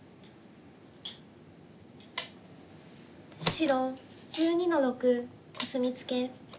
白１２の六コスミツケ。